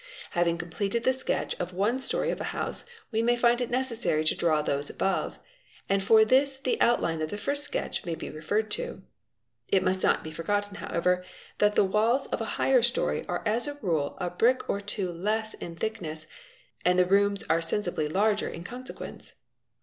_ Having completed the sketch of one storey of a house, we may find it lecessary to draw those above, and for this the outline of the first sketch lay be referred to. It must not be forgotten however that the walls f a higher storey are as a rule a brick or two less in thickness and hat the rooms are sensibly larger in consequence.